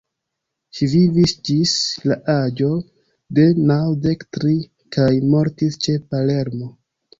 Ŝi vivis ĝis la aĝo de naŭdek tri, kaj mortis ĉe Palermo.